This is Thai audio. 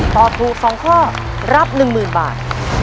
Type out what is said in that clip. ตอบถูก๒ข้อรับ๑๐๐๐บาท